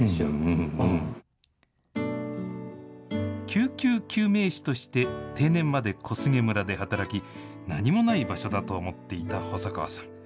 救急救命士として定年まで小菅村で働き、何もない場所だと思っていた細川さん。